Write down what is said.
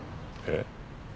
えっ？